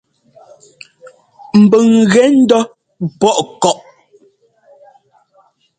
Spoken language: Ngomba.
Mbʉ́ŋ gɛ ndɔ́ pɔʼɔ kɔ́.